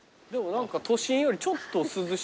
都心よりちょっと涼しいような。